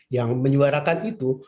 yang menyuarakan itu